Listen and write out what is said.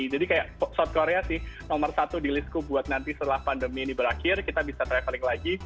jadi kayak south korea sih nomor satu di listku buat nanti setelah pandemi ini berakhir kita bisa traveling lagi